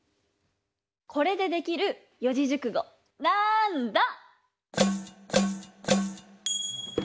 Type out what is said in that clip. これでできる四字熟語なんだ？